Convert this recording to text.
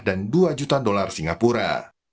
dan dua juta dolar singapura